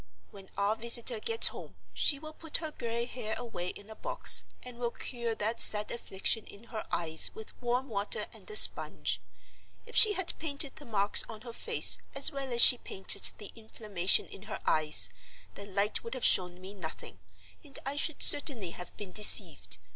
"When our visitor gets home she will put her gray hair away in a box, and will cure that sad affliction in her eyes with warm water and a sponge. If she had painted the marks on her face, as well as she painted the inflammation in her eyes, the light would have shown me nothing, and I should certainly have been deceived.